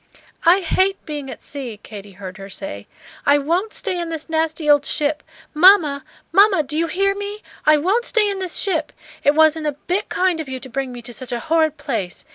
"I hate being at sea," Katy heard her say. "I won't stay in this nasty old ship. Mamma! Mamma! do you hear me? I won't stay in this ship! It wasn't a bit kind of you to bring me to such a horrid place.